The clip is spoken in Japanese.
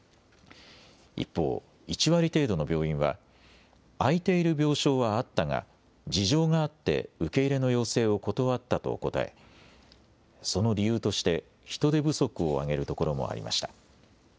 一方、１割程度の病院は空いている病床はあったが事情があって受け入れの要請を断ったと答えその理由として人手不足を挙げるところもありました。